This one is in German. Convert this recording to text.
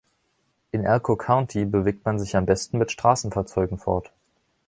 In Elko County bewegt man sich am besten mit Straßenfahrzeugen fort.